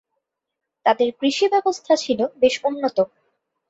তাদের কৃষি ব্যবস্থা ছিল বেশ উন্নত।